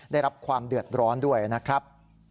ได้รับความเดือดร้อนด้วยนะครับ